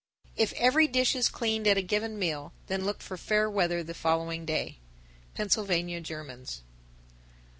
_ 971. If every dish is cleaned at a given meal, then look for fair weather the following day. _Pennsylvania Germans.